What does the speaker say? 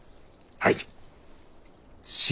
はい。